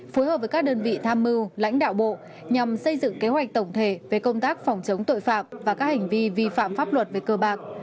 phối hợp với các đơn vị tham mưu lãnh đạo bộ nhằm xây dựng kế hoạch tổng thể về công tác phòng chống tội phạm và các hành vi vi phạm pháp luật về cơ bạc